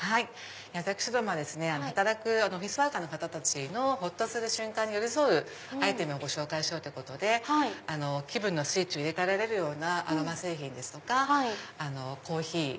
私どもは働くオフィスワーカーの方たちのほっとする瞬間に寄り添うアイテムをご紹介しようと気分のスイッチを入れ替えられるアロマ製品ですとかコーヒー。